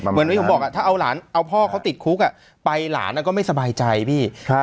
เหมือนที่ผมบอกถ้าเอาหลานเอาพ่อเขาติดคุกไปหลานก็ไม่สบายใจพี่